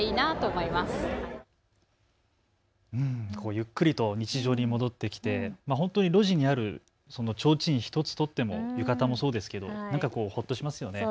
ゆっくりと日常に戻ってきて本当に路地にある、ちょうちん１つとっても浴衣もそうですけどなんかほっとしますよね。